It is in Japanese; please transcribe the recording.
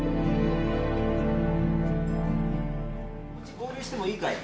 合流してもいいかい？